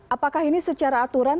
apakah ini secara aturan